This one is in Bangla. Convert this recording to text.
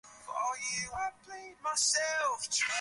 কিন্তু অভিযোগের প্রমাণ নেই বলে বাফুফে এটা নিয়ে ঘাঁটাঘাঁটি করে না।